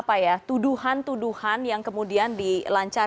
kita sekarang jeda dulu ya